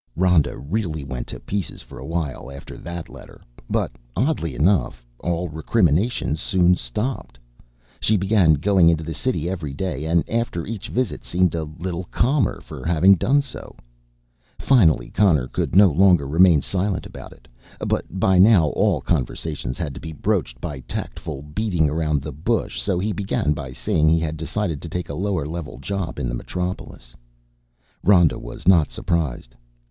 Rhoda really went to pieces for a while after that letter but, oddly enough, all recriminations soon stopped. She began going into the city every day and after each visit seemed a little calmer for having done so. Finally Connor could no longer remain silent about it. But by now all conversations had to be broached by tactful beating around the bush so he began by saying he had decided to take a lower level job in the metropolis. Rhoda was not surprised.